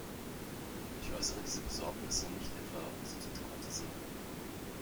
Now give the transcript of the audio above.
Ich äußere diese Besorgnisse nicht etwa, um sie zu dramatisieren.